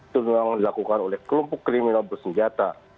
dilakukan oleh kelompok kriminal bersenjata